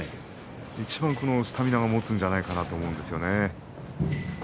いちばんスタミナがもつんじゃないかなと思うんですよね。